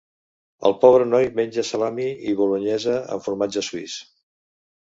El pobre noi menja salami i bolonyesa amb formatge suís.